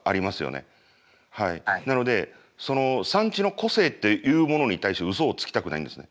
なのでその産地の個性っていうものに対してうそをつきたくないんですね。